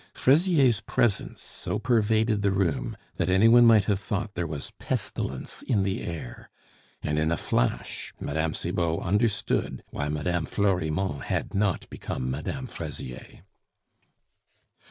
Fraisier's presence so pervaded the room, that any one might have thought there was pestilence in the air; and in a flash Mme. Cibot understood why Mme. Florimond had not become Mme. Fraisier.